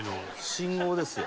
「信号ですよ。